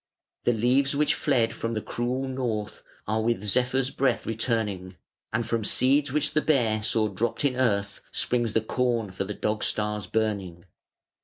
The leaves which fled from the cruel North Are with Zephyr's breath returning, And from seeds which the Bear saw dropped in earth Springs the corn for the Dog star's burning.